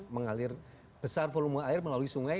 mengalir besar volume air melalui sungai